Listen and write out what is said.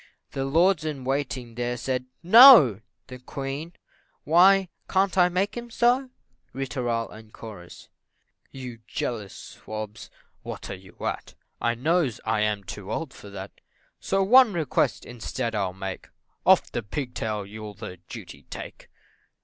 The lords in waiting there, said "No!" The Queen "Why, can't I make him so?" Ri tooral, &c. "You jealous swabs, what are you at? I knows I am too old for that So one request instead I'll make. Off pigtail you'll the duty take."